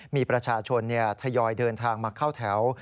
มีประชาชนทยอยเดินทางมาเข้าแถว